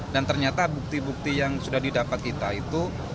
dan ternyata bukti bukti yang sudah didapat kita itu